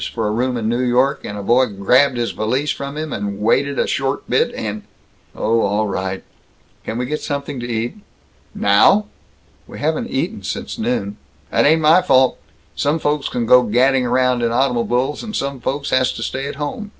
for a room in New York, and a boy grabbed his valise from him and wanted a short bit and " "Oh all right! Can we get something to eat?" "Now!?" "We haven't eaten since noon." "That ain't my fault! Some folks can go gadding around in automobuls, and some folks has to stay at home.